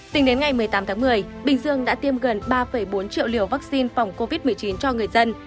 tính đến ngày một mươi tám tháng một mươi bình dương đã tiêm gần ba bốn triệu liều vaccine phòng covid một mươi chín cho người dân